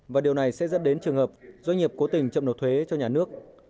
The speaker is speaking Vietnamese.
và điều này sẽ dẫn đến trường hợp doanh nghiệp cố tình chậm nộp thuế cho nhà nước